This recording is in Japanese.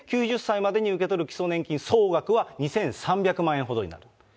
９０歳までに受け取る基礎年金総額は２３００万円ほどになると。